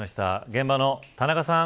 現場の田中さん。